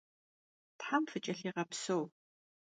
Тхьэм фыкӏэлъигъэпсэу.